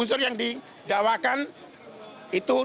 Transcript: itu di hewan pokonya